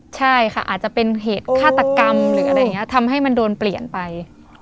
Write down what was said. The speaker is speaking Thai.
ใช่ค่ะอาจจะเป็นเหตุฆาตกรรมหรืออะไรอย่างนี้ทำให้มันโดนเปลี่ยนไป